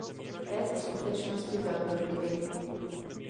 Této skutečnosti velmi lituji.